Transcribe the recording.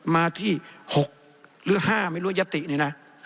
มาที่๖หรือ๕ไม่รู้ยัตติเนี่ยนะ